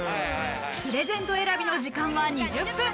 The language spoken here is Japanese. プレゼント選びの時間は２０分。